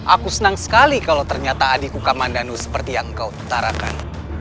aku senang sekali kalau ternyata adikku kamandano seperti yang engkau tarakan